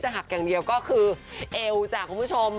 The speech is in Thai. หักอย่างเดียวก็คือเอวจากคุณผู้ชม